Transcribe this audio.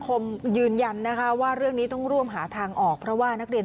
คมยืนยันนะคะว่าเรื่องนี้ต้องร่วมหาทางออกเพราะว่านักเรียน